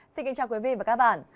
xin kính chào quý vị và các bạn